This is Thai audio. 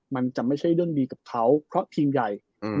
มันจะไม่ใช่ด้นดีกับเขาเพราะทีมใหญ่อืม